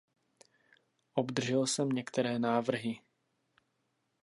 Obdržel jsem některé návrhy.